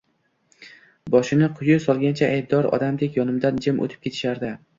Boshini quyi solgancha, aybdor odamdek yonimdan jim o`tib ketishardi